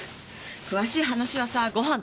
詳しい話はさご飯